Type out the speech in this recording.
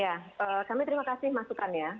ya kami terima kasih masukannya